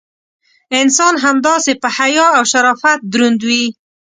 انسان همداسې: په حیا او شرافت دروند وي.